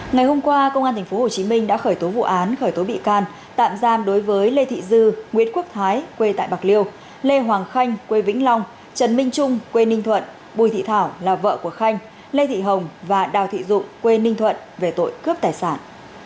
ngày hôm qua công an tp hcm đã khởi tố vụ án khởi tố bị can tạm giam đối với lê thị dư nguyễn quốc thái quê tại bạc liêu lê hoàng khanh quê vĩnh long trần minh trung quê ninh thuận bùi thị thảo là vợ của khanh lê thị hồng và đào thị dụng quê ninh thuận về tội cướp tài sản